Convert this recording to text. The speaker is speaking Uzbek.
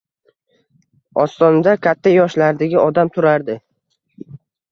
Ostonada katta yoshlardagi odam turardi